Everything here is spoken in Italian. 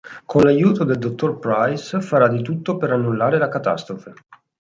Con l'aiuto del dottor Price farà di tutto per annullare la catastrofe.